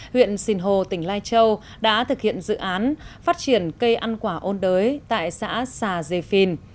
huyện sinh hồ tỉnh lai châu đã thực hiện dự án phát triển cây ăn quả ôn đới tại xã xà dê phìn